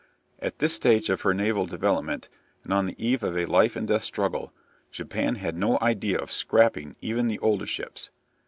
At this stage of her naval development, and on the eve of a life and death struggle, Japan had no idea of "scrapping" even the older ships.